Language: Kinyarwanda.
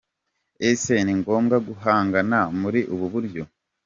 Ese ni ngombwa guhangana muri ubu buryo?